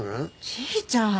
じいちゃん！